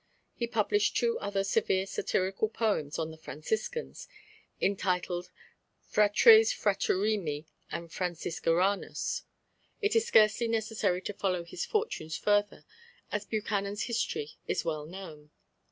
He published two other severe satirical poems on the Franciscans, entitled Fratres Fraterrimi and Franciscanus. It is scarcely necessary to follow his fortunes further, as Buchanan's history is well known.